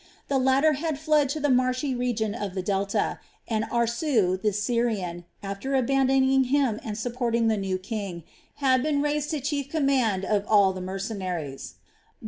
The latter had fled to the marshy region of the Delta, and Aarsu, the Syrian, after abandoning him and supporting the new king, had been raised to the chief command of all the mercenaries.